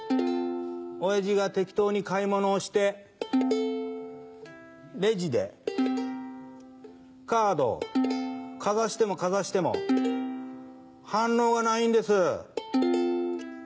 おやじが適当に買い物をして、レジで、カードをかざしてもかざしても、反応がないんです。